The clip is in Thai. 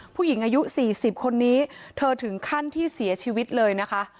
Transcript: ผู้หญิงอายุ๔๐คนนี้เธอถึงขั้นที่เสียชีวิตเลยนะคะ